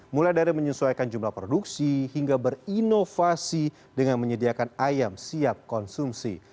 mulai dari menyesuaikan jumlah produksi hingga berinovasi dengan menyediakan ayam siap konsumsi